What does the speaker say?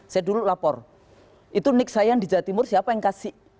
saya dulu lapor itu nik saya yang di jawa timur siapa yang kasih